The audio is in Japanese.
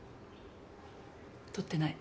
取ってない。